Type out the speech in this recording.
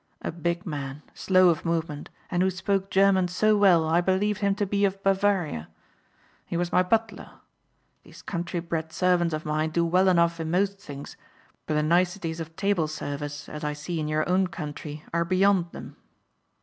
A big man, slow of movement and who spoke German so well I believed him to be of Bavaria. He was my butler. These country bred servants of mine do well enough in most things but the niceties of table service as I see in your own country are beyond them.